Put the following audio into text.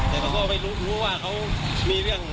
แต่เขาก็ไม่รู้ว่าเขามีเรื่อง